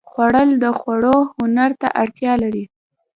خوړل د خوړو هنر ته اړتیا لري